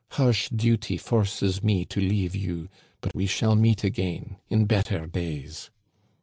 Harsh duty forces me to leave you ; but we shall meet again, in better days."